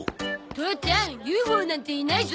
父ちゃんＵＦＯなんていないゾ！